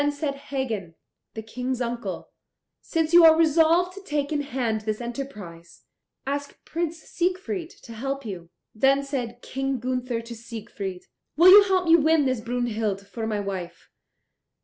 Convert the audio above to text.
Then said Hagen, the King's uncle, "Since you are resolved to take in hand this enterprise, ask Prince Siegfried to help you." Then said King Gunther to Siegfried, "Will you help me to win this Brunhild for my wife?